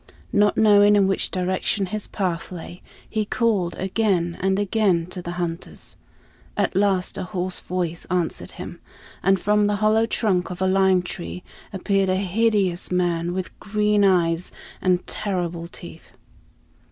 Not knowing in which direction his path lay, he called again and again to the hunters. At last a hoarse voice answered him, and from the hollow trunk of a lime tree appeared a hideous man with green eyes and terrible teeth.